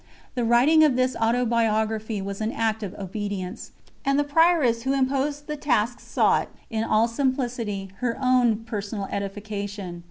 The writing of this Autobiography was an act of obedience, and the Prioress who imposed the task sought, in all simplicity, her own personal edification.